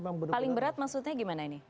paling berat maksudnya gimana ini